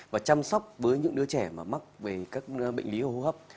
và chăm sóc với những đứa trẻ mà mắc về các bệnh lý hô hấp